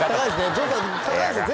ちょっと高いですね